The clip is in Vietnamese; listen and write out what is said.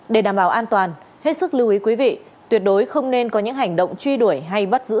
để đảm bảo an toàn hết sức lưu ý quý vị tuyệt đối không nên có những hành động truy đuổi hay bắt giữ